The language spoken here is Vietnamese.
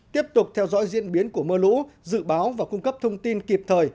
tiếp tục theo dõi diễn biến của mưa lũ dự báo và cung cấp thông tin kịp thời